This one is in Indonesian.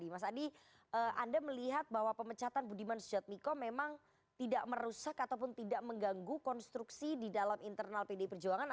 mas adi anda melihat bahwa pemecatan budiman sujadmiko memang tidak merusak ataupun tidak mengganggu konstruksi di dalam internal pdi perjuangan